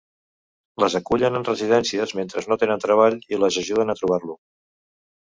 Les acullen en residències mentre no tenen treball i les ajuden a trobar-lo.